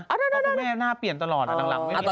เพราะคุณแม่หน้าเปลี่ยนตลอดดังหลังไม่มีไอดอล